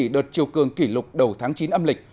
đợt chiều cường kỷ lục đầu tháng chín âm lịch